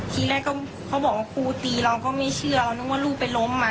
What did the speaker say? ทีแรกก็เขาบอกว่าครูตีเราก็ไม่เชื่อเรานึกว่าลูกไปล้มมา